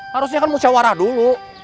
harusnya kan musyawara dulu